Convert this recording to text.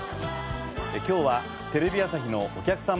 今日はテレビ朝日のお客様